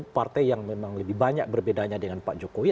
partai yang memang lebih banyak berbedanya dengan pak jokowi